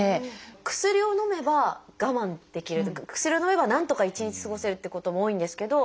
薬をのめば我慢できるというか薬をのめばなんとか一日過ごせるってことも多いんですけど。